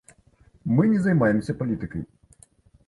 Мы не займаемся палітыкай!